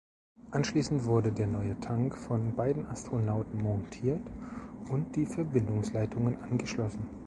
Anschließend wurde der neue Tank von beiden Astronauten montiert und die Verbindungsleitungen angeschlossen.